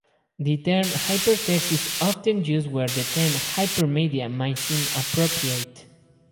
The term "hypertext" is often used where the term "hypermedia" might seem appropriate.